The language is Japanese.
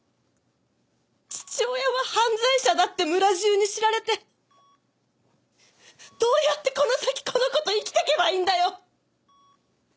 父親は犯罪者だって村中に知られてどうやってこの先この子と生きていけばいいんだよ！